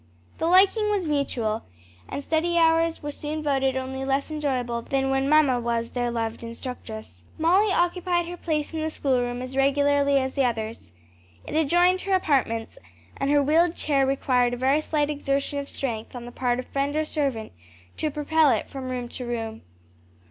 The liking was mutual, and study hours were soon voted only less enjoyable than when mamma was their loved instructress. Molly occupied her place in the schoolroom as regularly as the others. It adjoined her apartments, and her wheeled chair required a very slight exertion of strength on the part of friend or servant to propel it from room to room.